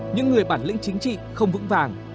những người bản lĩnh chính trị không vững vàng